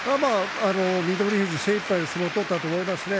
翠富士、精いっぱい相撲を取ったと思いますね。